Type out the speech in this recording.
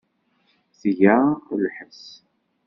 Tga lḥess.